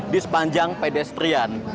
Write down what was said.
di sepanjang pedestrian